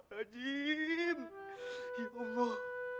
padahal ini tak kesempatan